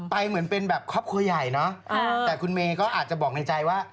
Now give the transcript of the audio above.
เหมือนเป็นแบบครอบครัวใหญ่เนอะแต่คุณเมย์ก็อาจจะบอกในใจว่า